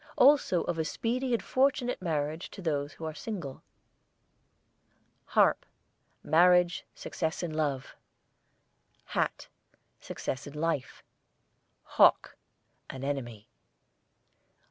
Also of a speedy and fortunate marriage to those who are single. HARP, marriage, success in love. HAT, success in life. HAWK, an enemy.